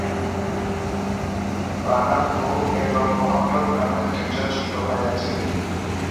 বানার নূর এবং মোহাম্মদ নামের দুইজন ছোট ভাই আছে।